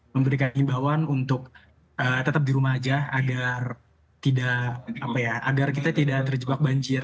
memberikan imbauan untuk tetap di rumah aja agar tidak apa ya agar kita tidak terjebak banjir